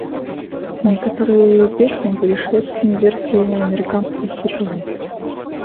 Некаторыя яе песні былі шведскімі версіямі амерыканскіх хітоў.